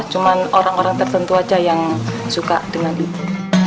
cuma orang orang tertentu saja yang suka dengan itu